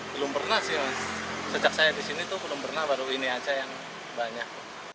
belum pernah sih mas sejak saya di sini tuh belum pernah baru ini aja yang banyak